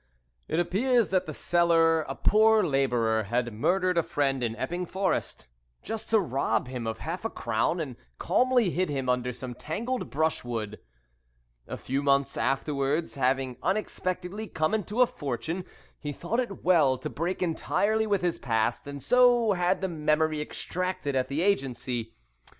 It appears that the seller, a poor labourer, had murdered a friend in Epping Forest, just to rob him of half a crown, and calmly hid him under some tangled brushwood. A few months afterwards, having unexpectedly come into a fortune, he thought it well to break entirely with his past, and so had the memory extracted at the Agency.